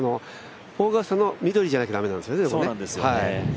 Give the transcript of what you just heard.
オーガスタの緑じゃなきゃ駄目なんですよね。